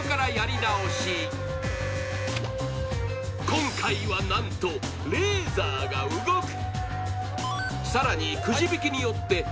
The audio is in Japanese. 今回はなんとレーザーが動く！